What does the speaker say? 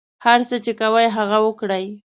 هر څه چې کوئ هغه وکړئ.